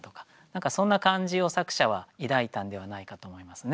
そんな感じを作者は抱いたんではないかなと思いますね。